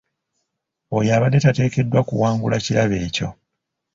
Oyo abadde tateekeddwa kuwangula kirabo ekyo.